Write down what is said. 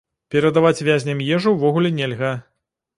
Перадаваць вязням ежу увогуле нельга.